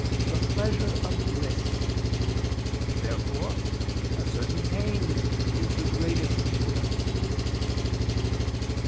the pleasure of bliss. Therefore a certain pain is the greatest evil.